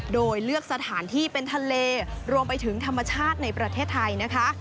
โดยเลือกสถานที่เป็นทะเลรวมไปถึงธรรมชาติในประเทศไทยนะคะ